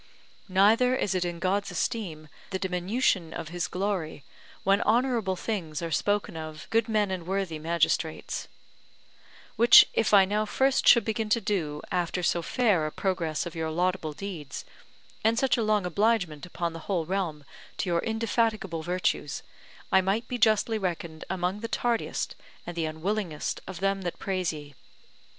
Neither is it in God's esteem the diminution of his glory, when honourable things are spoken of good men and worthy magistrates; which if I now first should begin to do, after so fair a progress of your laudable deeds, and such a long obligement upon the whole realm to your indefatigable virtues, I might be justly reckoned among the tardiest, and the unwillingest of them that praise ye.